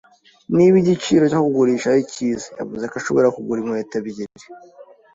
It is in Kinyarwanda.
Niba igiciro cyo kugurisha ari cyiza, yavuze ko ashobora kugura inkweto ebyiri.